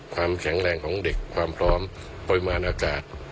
ความแข็งแรงของเด็กความพร้อมปริมาณอากาศ